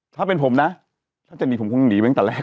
ถ้าเป็นผมนะถ้าจะหนีผมคงหนีไปตั้งแต่แรก